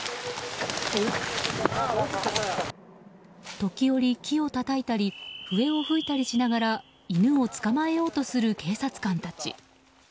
時折、木をたたいたり笛を吹いたりしながら犬を捕まえようとする警察官たち。